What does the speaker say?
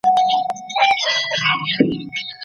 هغه څېړونکی چي لاري لټوي تل بریالی کیږي.